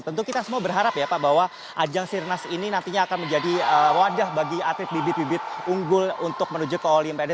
tentu kita semua berharap ya pak bahwa ajang sirnas ini nantinya akan menjadi wadah bagi atlet bibit bibit unggul untuk menuju ke olimpiade